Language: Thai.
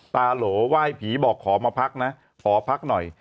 โหลไหว้ผีบอกขอมาพักนะขอพักหน่อย